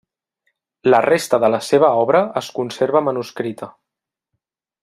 La resta de la seva obra es conserva manuscrita.